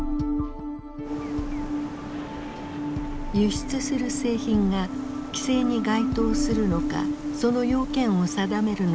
輸出する製品が規制に該当するのかその要件を定めるのは経産省の役割だ。